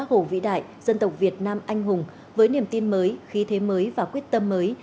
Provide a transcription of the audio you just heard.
hồ vĩ đại dân tộc việt nam anh hùng với niềm tin mới khí thế mới và quyết tâm mới